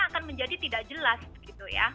akan menjadi tidak jelas gitu ya